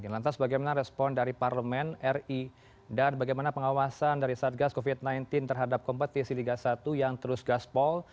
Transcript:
lantas bagaimana respon dari parlemen ri dan bagaimana pengawasan dari satgas covid sembilan belas terhadap kompetisi liga satu yang terus gaspol